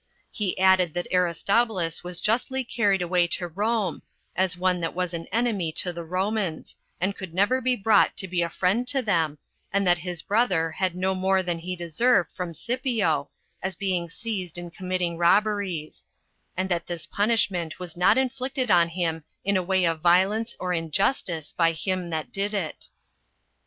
He added, that Aristobulus was justly carried away to Rome, as one that was an enemy to the Romans, and could never be brought to be a friend to them, and that his brother had no more than he deserved from Scipio, as being seized in committing robberies; and that this punishment was not inflicted on him in a way of violence or injustice by him that did it.